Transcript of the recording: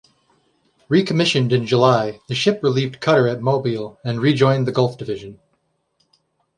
Recommissioned in July, the ship relieved cutter at Mobile and rejoined the Gulf Division.